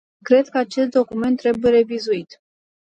Cred că acest document trebuie revizuit.